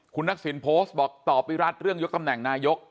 คุณทักษิณโพสต์บอกตอบวิรัติเรื่องยกตำแหน่งนายก